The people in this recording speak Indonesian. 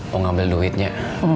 mau ngambil duitnya